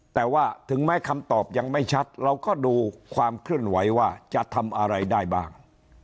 แต่ว่าถึงแม้คำตอบยังไม่ชัดเราก็ดูความเคลื่อนไหวว่าจะทำอะไรได้บ้าง